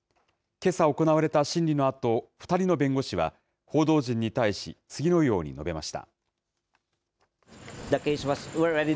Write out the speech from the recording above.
けさ行われた審理のあと、２人の弁護士は、報道陣に対し、次のように述べました。